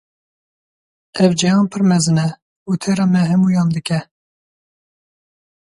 Ev cîhan pir mezin e û têra me hemûyan dike.